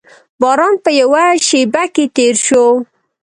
باران په یوه شېبه کې تېر شو.